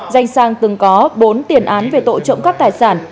danh sang từng có bốn tiền án về tội trộm cắp tài sản